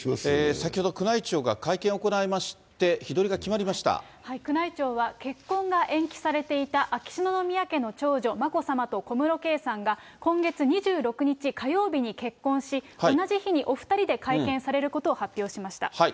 先ほど、宮内庁が会見を行いまして、宮内庁は、結婚が延期されていた秋篠宮家の長女、眞子さまと小室圭さんが、今月２６日火曜日に結婚し、同じ日にお２人で会見されることを発表しました。